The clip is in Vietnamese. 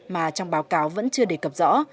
mà trong báo cáo vẫn chưa đề cập rõ